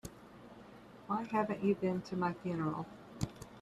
Why haven't you been to my funeral?